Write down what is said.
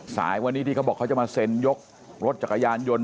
สายวันนี้ที่เขาบอกเขาจะมาเซ็นยกรถจักรยานยนต์